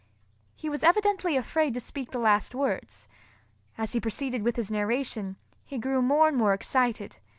He was evidently afraid to speak the last words. As he proceeded with his narration, he grew more and more excited.